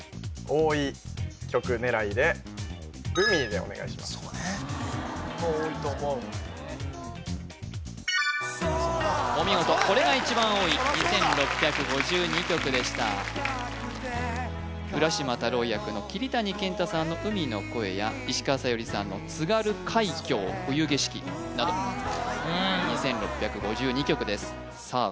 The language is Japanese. ・多いと思うお見事これが一番多い２６５２曲でした浦島太郎役の桐谷健太さんの「海の声」や石川さゆりさんの「津軽海峡・冬景色」など２６５２曲ですさあ